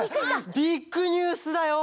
ビッグニュースだよ！